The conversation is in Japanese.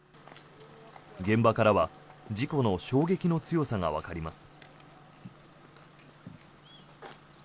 現場からは事故の衝撃の強さがわかります。